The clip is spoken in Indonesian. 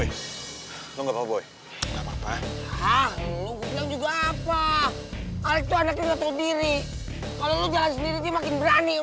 hai woi nggak boboi enggak apa apa juga apa atau ada ketuk diri kalau lo jalan sendiri makin berani